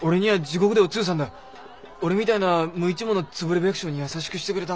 俺みたいな無一文のつぶれ百姓に優しくしてくれた。